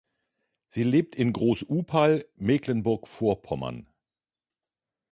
Sie lebt in Groß Upahl, Mecklenburg-Vorpommern.